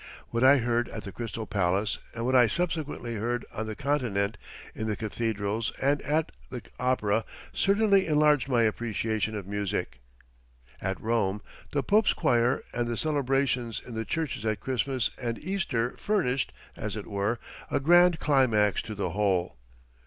What I heard at the Crystal Palace and what I subsequently heard on the Continent in the cathedrals, and at the opera, certainly enlarged my appreciation of music. At Rome the Pope's choir and the celebrations in the churches at Christmas and Easter furnished, as it were, a grand climax to the whole.